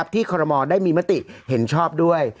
ที่ครมได้มีมติเห็นชอบด้วย